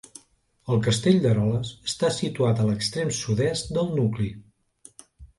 El castell d'Eroles està situat a l'extrem sud-est del nucli.